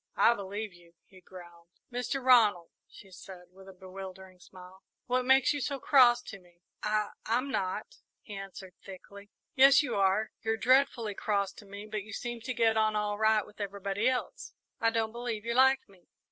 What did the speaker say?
"I believe you," he growled. "Mr. Ronald," she said, with a bewildering smile, "what makes you so cross to me?" "I I'm not," he answered thickly. "Yes, you are you're dreadfully cross to me, but you seem to get on all right with everybody else. I don't believe you like me!"